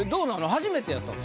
初めてやったんですか？